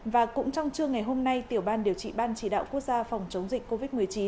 và cũng trong trưa ngày hôm nay tiểu ban điều trị ban chỉ đạo quốc gia phòng chống dịch covid một mươi chín